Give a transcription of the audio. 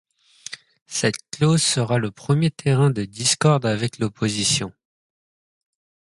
Cette clause sera le premier terrain de discorde avec l'opposition.